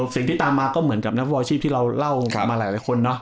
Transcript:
สิ่งที่ตามมาก็เหมือนกับนักฟุตบอลชีพที่เราเล่ามาหลายคนเนาะ